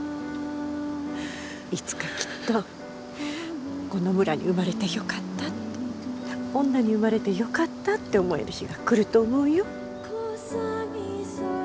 いつかきっとこの村に生まれてよかったって女に生まれてよかったって思える日が来ると思うよ。